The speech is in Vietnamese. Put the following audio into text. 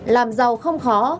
làm giàu không khó